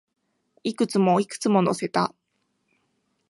いくつも、いくつも乗せた